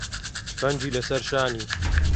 تفەنگی لەسەر شانی